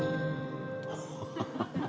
ハハハハハ。